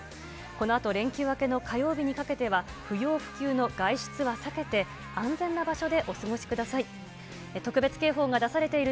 このあと、連休明けの火曜日にかけては不要不急の外出は避けて、安全な場所でお過ごしください。